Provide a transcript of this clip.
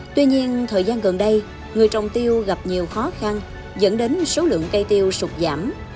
tuy nhiên thời gian gần đây người trồng tiêu gặp nhiều khó khăn dẫn đến số lượng cây tiêu sụt giảm